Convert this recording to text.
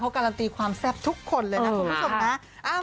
การันตีความแซ่บทุกคนเลยนะคุณผู้ชมนะ